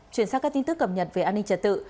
chuyển sang các tin tức cập nhật về an ninh trật tự